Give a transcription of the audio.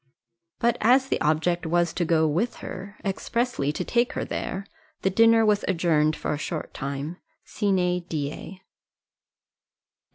But as the object was to go with her expressly to take her there the dinner was adjourned for a short time sine die.